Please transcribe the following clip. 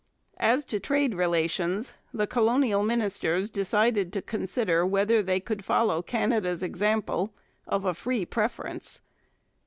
As to trade relations, the colonial ministers decided to consider whether they could follow Canada's example of a free preference.